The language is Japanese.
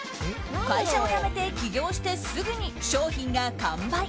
会社を辞めて起業してすぐに商品が完売。